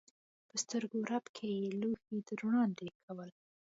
په سترګو رپ کې یې لوښي در وړاندې کول.